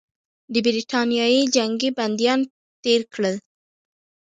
د برټانیې جنګي بندیان تېر کړل.